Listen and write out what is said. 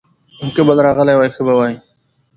که بل راغلی وای، ښه به وای.